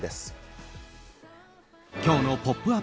今日の「ポップＵＰ！」